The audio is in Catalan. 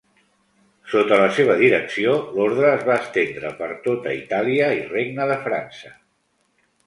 Sota la seva direcció, l'orde es va estendre per tota Itàlia i Regne de França.